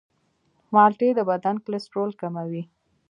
مالټې د بدن کلسترول کموي.